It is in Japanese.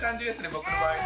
僕の場合。